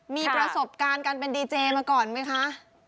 มีประสบการณ์การเป็นดีเจมาก่อนไหมคะ